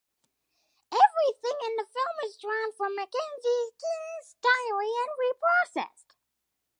Everything in the film is drawn from Mackenzie King’s diary and reprocessed.